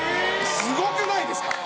すごくないですか？